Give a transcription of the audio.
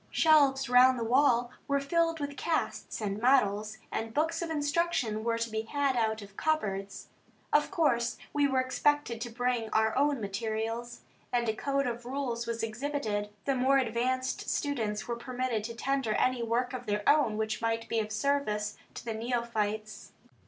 Shelves round the wall were filled with casts and models, and books of instruction were to be had out of cupboards. Of course we were expected to bring our own materials, and a code of rules was exhibited. The more advanced students were permitted to tender any work of their own which might be of service to the neophytes.